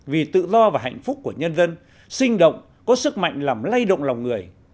vì tự do và hạnh phúc của nhân dân sinh động có sức mạnh làm lay động lòng người